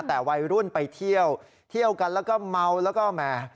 แต่วัยรุ่นไปเที่ยวเที่ยวกันแล้วก็เมาแล้วก็แหม